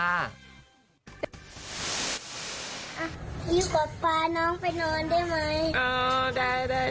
อยู่กับพาน้องไปนอนได้ไหม